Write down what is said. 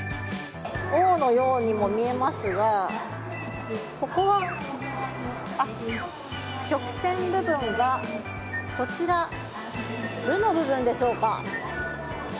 Ｏのようにも見えますが曲線部分が「る」の部分でしょうか。